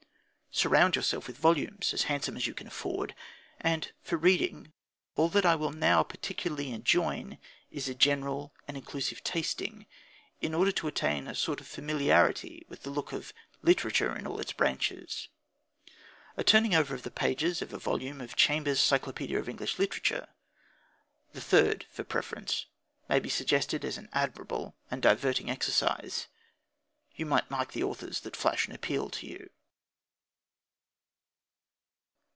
Surround yourself with volumes, as handsome as you can afford. And for reading, all that I will now particularly enjoin is a general and inclusive tasting, in order to attain a sort of familiarity with the look of "literature in all its branches." A turning over of the pages of a volume of Chambers's Cyclopædia of English Literature, the third for preference, may be suggested as an admirable and a diverting exercise. You might mark the authors that flash an appeal to you.